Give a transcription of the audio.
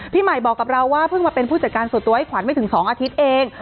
ใหม่บอกกับเราว่าเพิ่งมาเป็นผู้จัดการส่วนตัวให้ขวัญไม่ถึง๒อาทิตย์เอง